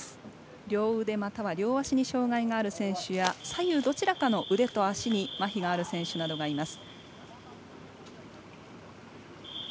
両腕または両足に障がいがある選手や左右どちらかの腕と足にまひのある選手などがいます。